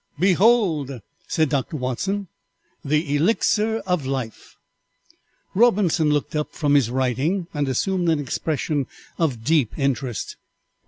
"Behold," said Doctor Watson, "the Elixir of Life!" Robinson looked up from his writing and assumed an expression of deep interest.